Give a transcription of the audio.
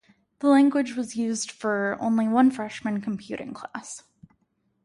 The language was used for only one freshman computing class.